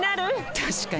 確かに。